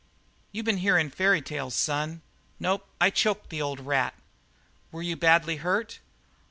You been hearin' fairy tales, son. Nope, I choked the old rat." "Were you badly hurt?"